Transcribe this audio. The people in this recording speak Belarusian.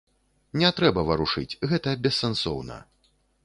Не трэба варушыць, гэта бессэнсоўна.